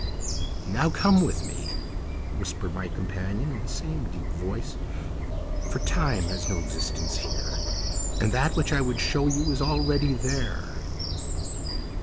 "Now, come with me," whispered my companion in the same deep voice, "for time has no existence here, and that which I would show you is already there!"